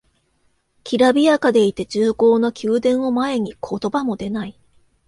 きらびやかでいて重厚な宮殿を前に言葉も出ない